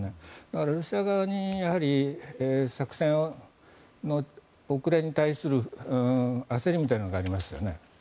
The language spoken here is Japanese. だからロシア側に作戦の遅れに対する焦りみたいなのがありますよね。